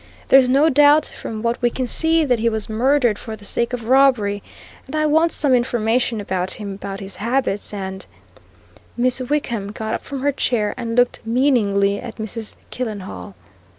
There's no doubt, from what we can see, that he was murdered for the sake of robbery. And I want some information about him, about his habits and " Miss Wickham got up from her chair and looked meaningly at Mrs. Killenhall.